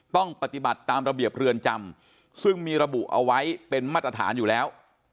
ต้องปฏิบัติตามระเบียบเรือนจำซึ่งมีระบุเอาไว้เป็นมาตรฐานอยู่แล้ว